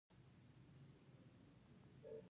په ځواب کې ناره پر وکړه.